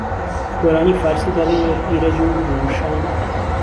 گۆرانی فارسی دهڵێم وهک ئیرهج و گووگووشان